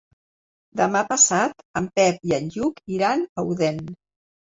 Demà passat en Pep i en Lluc iran a Odèn.